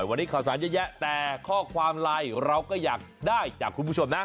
วันนี้ข่าวสารเยอะแยะแต่ข้อความไลน์เราก็อยากได้จากคุณผู้ชมนะ